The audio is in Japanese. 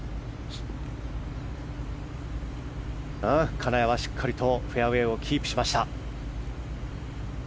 金谷はしっかりとフェアウェーキープしました。